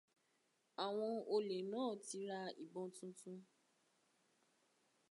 Àwọn olè náà ti ra ìbọn titun.